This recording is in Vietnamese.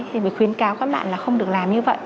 thì mới khuyến cáo các bạn là không được làm như vậy